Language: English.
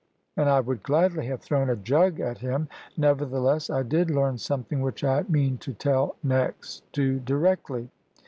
and I would gladly have thrown a jug at him. Nevertheless, I did learn something which I mean to tell next to directly.